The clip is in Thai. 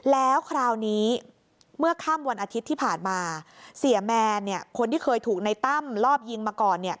แล้วคราวนี้เมื่อค่ำวันอาทิตย์ที่ผ่านมาเสียแมนคนที่เคยถูกในตั้มลอบยิงมาก่อน